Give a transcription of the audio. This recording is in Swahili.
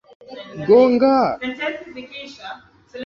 Alichaguliwa kuwa mbunge wa jimbo la Mkuranga kwa upande wa Tanzania bara